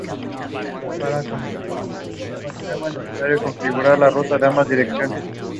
He is an electronics engineer.